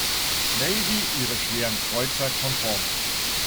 Navy ihre Schweren Kreuzer konform.